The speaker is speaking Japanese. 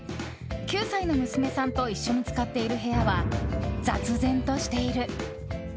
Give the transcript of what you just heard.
９歳の娘さんと一緒に使っている部屋は雑然としている。